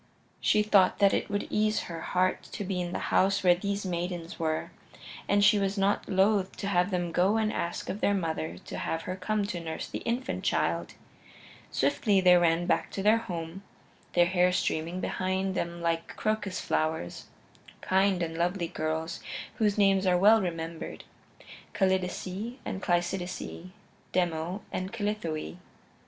She thought that it would ease her heart to be in the house where these maidens were, and she was not loath to have them go and ask of their mother to have her come to nurse the infant child. Swiftly they ran back to their home, their hair streaming behind them like crocus flowers; kind and lovely girls whose names are well remembered Callidice and Cleisidice, Demo and Callithoe.